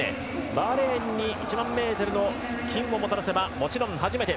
バーレーンに１００００ｍの金をもたらせばもちろん初めて。